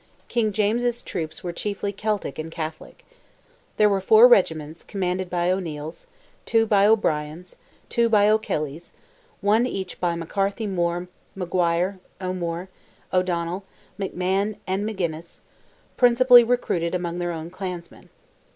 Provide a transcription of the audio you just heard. King James's troops were chiefly Celtic and Catholic. There were four regiments commanded by O'Neils, two by O'Briens, two by O'Kellys, one each by McCarthy More, Maguire, O'More, O'Donnell, McMahon, and Magennis, principally recruited among their own clansmen.